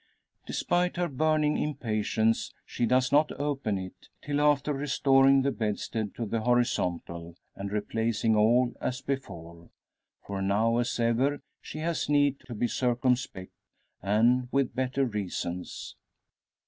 Despite her burning impatience she does not open it, till after restoring the bedstead to the horizontal, and replacing all as before. For now, as ever, she has need to be circumspect, and with better reasons.